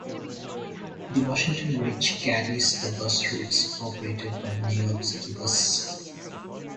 The Washington Bridge carries the bus routes operated by New York City Bus.